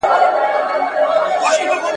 ولي کابل کي د صنعت لپاره مهارت مهم دی؟